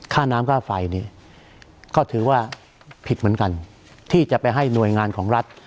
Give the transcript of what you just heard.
ค่าน้ำค่าไฟเนี่ยก็ถือว่าผิดเหมือนกันที่จะไปให้หน่วยงานของรัฐ